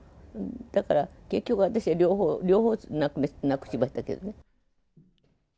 だから、結局私は両方なくしましたけどね。